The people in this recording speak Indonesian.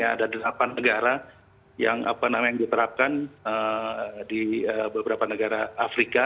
ada delapan negara yang diterapkan di beberapa negara afrika